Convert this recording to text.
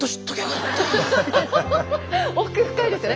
奥深いですよね。